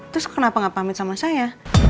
terus kenapa gak pamit sama saya